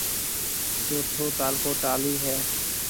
چوٿو تعلقو ٽالِي ھيََََ